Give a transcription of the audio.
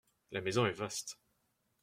La maison est vaste.